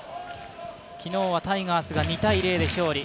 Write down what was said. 昨日はタイガースが２−０で勝利。